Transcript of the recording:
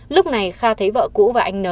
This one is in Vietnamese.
lúc này kha thấy vợ cũ và anh n